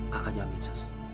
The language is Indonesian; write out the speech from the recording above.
kakak jamin sas